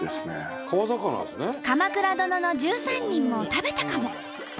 「鎌倉殿の１３人」も食べたかも。